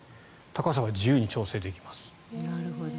高さは自由に調節できます。